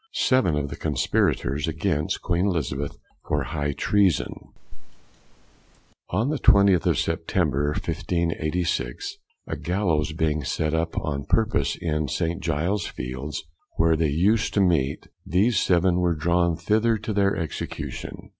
(Seven of the Conspirators against Queen Elizabeth) for High Treason On the 20th of September, 1586, a Gallows being set up on purpose in St. Giles's Fields, where they us'd to meet, these seven were drawn thither to their Execution.